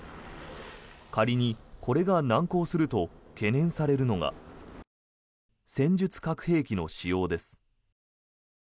仮に、これが難航すると懸念されるのが戦術核兵器の使用です。